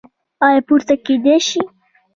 ایا پورته کیدی شئ؟